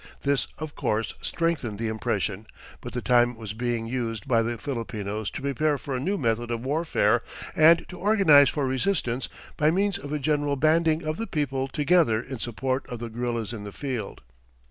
This, of course, strengthened the impression, but the time was being used by the Filipinos to prepare for a new method of warfare and to organize for resistance by means of a general banding of the people together in support of the guerillas in the field.